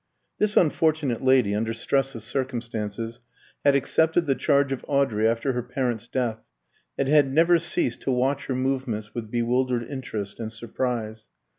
This unfortunate lady, under stress of circumstances, had accepted the charge of Audrey after her parents' death, and had never ceased to watch her movements with bewildered interest and surprise.